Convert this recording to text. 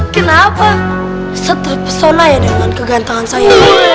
kenapa setelah pesona ya dengan kegantungan saya